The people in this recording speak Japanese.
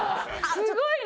すごいな！